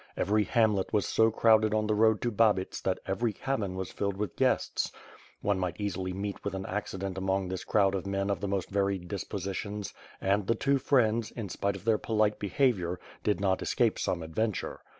Every hamlet was so crowded on the road to Babits that every cabin was filled with guests. One might easily meet with an accident among this crowd of men of the most varied dispositions; and the two friends, in spite of their polite be havior, did not escape some adventure.